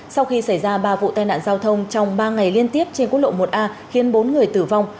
sau khi xảy ra ba vụ tai nạn giao thông trong ba ngày liên tiếp trên quốc lộ một a khiến bốn người tử vong